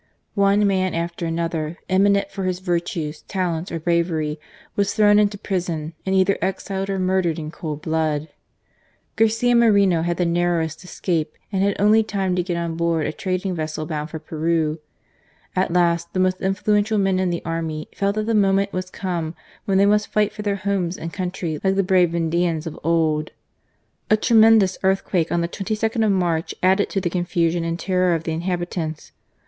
One man after another, eminent for his virtues, talents, or bravery, was thrown into prison and either exiled or murdered in cold blood. Garcia Moreno had the narrowest escape, and had only time to get on board a trading THE NATIONAL RISING. 75 vessel bound for Peru. At last, the most influential men in the army felt that the moment was come when they must fight for their homes and country like the brave Vendeans of old. A tremendous earthquake on the 22nd of March added to the confusion and terror of the inhabitants.